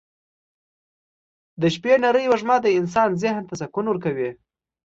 د شپې نرۍ وږمه د انسان ذهن ته سکون ورکوي.